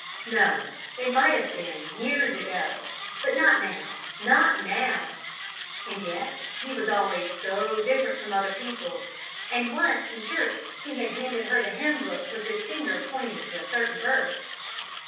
No, it might have been, years ago; but not now; not now! And yet; he was always so different from other people; and once, in church, he had handed her the hymn book with his finger pointing to a certain verse.